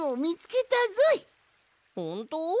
ほんと？